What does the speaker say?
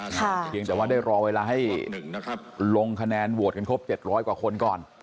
เพียงแต่ว่าได้รอเวลาให้ลงคะแนนโหวตกันครบ๗๐๐กว่าคนก่อน